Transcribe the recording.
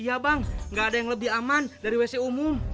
iya bang nggak ada yang lebih aman dari wc umum